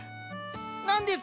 何ですか？